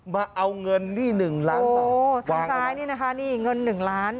มาเอาเงินนี่หนึ่งล้านบาทโอ้ทางซ้ายนี่นะคะนี่เงินหนึ่งล้าน